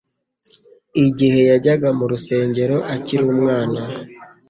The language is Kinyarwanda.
Igihe yajyaga mu rusengero akiri umwana,